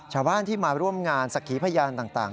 ชาวบ้านที่มาร่วมงานสักขีพยานต่าง